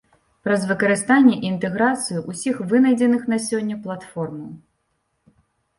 Праз выкарыстанне і інтэграцыю ўсіх вынайдзеных на сёння платформаў.